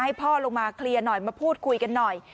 ให้พ่อลงมาเคลียร์หน่อยมาพูดคุยกันหน่อย